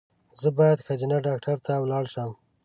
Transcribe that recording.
زه باید ښځېنه ډاکټر ته ولاړ شم